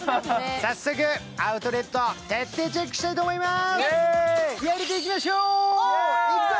早速アウトレット、徹底チェックしたいと思いまーす！